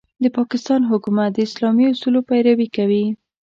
د پاکستان حکومت د اسلامي اصولو پيروي کوي.